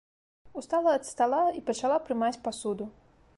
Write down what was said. Устала ад стала і пачала прымаць пасуду.